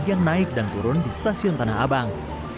yang naik dan turun di stasiun tanah abang